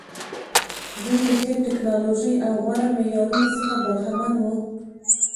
دوی له ښې ټکنالوژۍ او غوره معیارونو څخه برخمن وو.